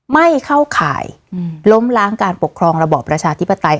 ไม่เข้าข่ายล้มล้างการปกครองระบอบประชาธิปไตย